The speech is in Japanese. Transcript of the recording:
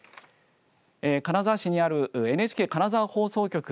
金沢市にあるＮＨＫ金沢放送局